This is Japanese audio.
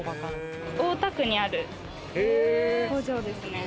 大田区にある工場ですね。